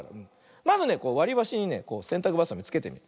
まずねわりばしにねせんたくばさみつけてみる。